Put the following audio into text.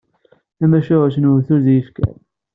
Tamacahut n uwtul d yifker.